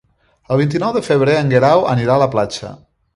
El vint-i-nou de febrer en Guerau anirà a la platja.